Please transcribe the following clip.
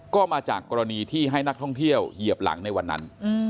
ก็มาจากกรณีที่ให้นักท่องเที่ยวเหยียบหลังในวันนั้น